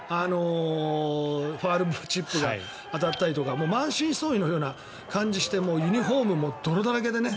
ファウルチップが当たったりとか満身創痍の感じがしてユニホームも泥だらけでね。